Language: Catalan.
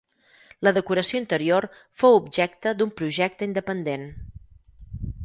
La decoració interior fou objecte d'un projecte independent.